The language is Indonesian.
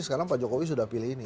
sekarang pak jokowi sudah pilih ini